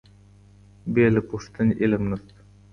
بې له پوښتنې علم نسته.